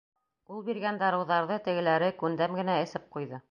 Ул биргән дарыуҙарҙы тегеләре күндәм генә эсеп ҡуйҙы.